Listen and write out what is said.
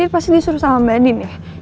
jadi pasti disuruh sama mbak adi nih